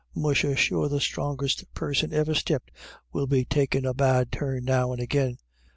Musha, sure the strongest person iver stepped will be takin' a bad turn now and agin.